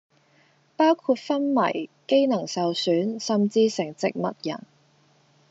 包括昏迷，機能受損、甚至成植物人